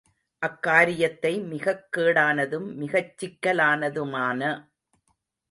அக் காரியத்தை மிகக் கேடானதும் மிகச் சிக்கலானதுமான